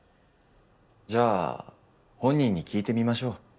じゃあ本人に聞いてみましょう。